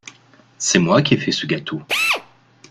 C’est moi qui ais fait ce gâteau.